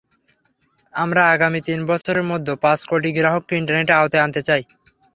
আমরা আগামী তিন বছরের মধ্যে পাঁচ কোটি গ্রাহককে ইন্টারনেটের আওতায় আনতে চাই।